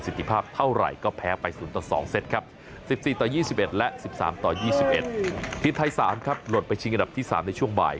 ทีมไทย๓ครับหลดไปชิงอันดับที่๓ในช่วงบ่าย